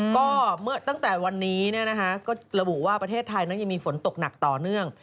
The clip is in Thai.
ก็ตั้งแต่วันนี้ก็ระบุว่าประเทศไทยนั้นยังมีฝนตกหนักต่อเนื่อง